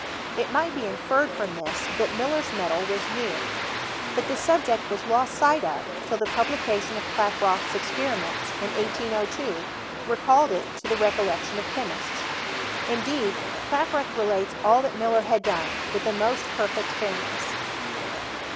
It might be inferred from this, that Muller*s metal was new. But the subject was lost sight of, till the pub lication of Klaproth's experiments, in 1802, recalled it to the recollection of chemists. Indeed, Klaproth relates all that Muller had done, with the most per fect fairness.